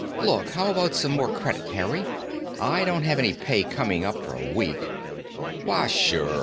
"Look, how about some more credit, Harry? I don't have any pay coming up for a week." "Why, sure.